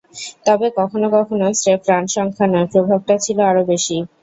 তবে কখনো কখনো স্রেফ রানসংখ্যা নয়, প্রভাবটা ছিল আরও অনেক বেশি।